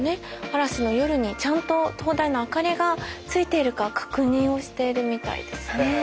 嵐の夜にちゃんと灯台の明かりがついているか確認をしているみたいですね。